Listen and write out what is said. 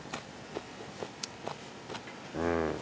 うん。